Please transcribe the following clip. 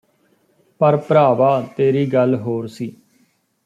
ਪਰ ਭਰਾਵਾ ਤੇਰੀ ਗੱਲ ਹੋਰ ਸੀ